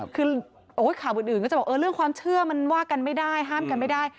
คือข่าวอื่นก็จะบอกเรื่องความเชื่อมันว่ากันไม่ได้ห้ามกันไม่ได้